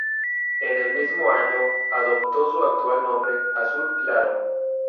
En el mismo año adoptó su actual nombre, Azul Claro.